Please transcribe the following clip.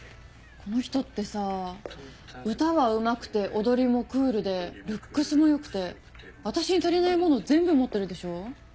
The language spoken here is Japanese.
この人ってさぁ歌はうまくて踊りもクールでルックスも良くてあたしに足りないもの全部持ってるでしょ？